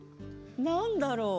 何だろう？